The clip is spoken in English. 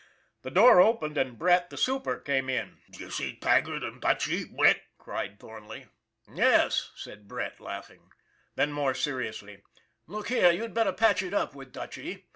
The door opened, and Brett, the super, came in. THE REBATE 297 "D'ye see Taggart and Dutchy, Brett?" cried Thornley. "Yes," said Brett, laughing. Then, more seri ously :" Look here, you'd better patch it up with Dutchy.